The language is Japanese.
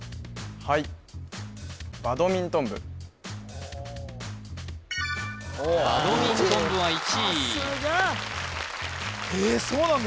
はいバドミントン部は１位あっすげええっそうなんだ